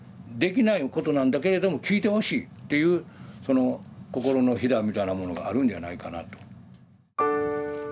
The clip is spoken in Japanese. できないことなんだけれども聞いてほしいっていう心のひだみたいなものがあるんじゃないかなと。